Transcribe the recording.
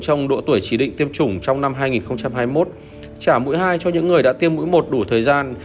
trong độ tuổi chỉ định tiêm chủng trong năm hai nghìn hai mươi một trả mũi hai cho những người đã tiêm mũi một đủ thời gian